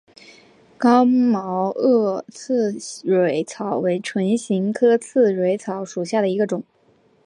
刚毛萼刺蕊草为唇形科刺蕊草属下的一个种。